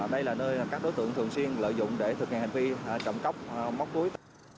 đây là nơi các đối tượng thường xuyên lợi dụng để thực hiện hành vi chậm cóc móc túi